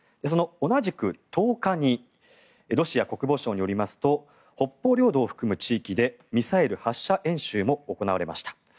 その同じく１０日にロシア国防省によりますと北方領土を含む地域でミサイル発射演習も行われました。